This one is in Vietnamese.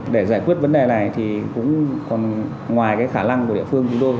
để giải quyết vấn đề này thì cũng còn ngoài khả năng của địa phương chúng tôi